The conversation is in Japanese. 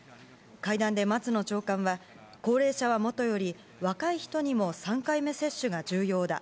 会談で松野長官は、高齢者はもとより、若い人にも３回目接種が重要だ。